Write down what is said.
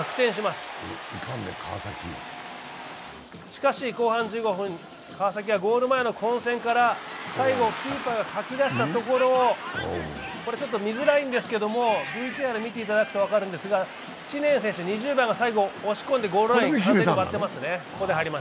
しかし後半１５分、川崎はゴール前の混戦から最後キーパーがかき出したところ、ちょっと見づらいんですけど、ＶＴＲ見ていただくと分かるんですが、知念選手、２０番が最後、押し込んでゴールライン完璧に割ってますね。